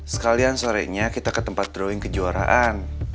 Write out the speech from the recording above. sekalian sorenya kita ke tempat drawing kejuaraan